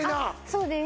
そうです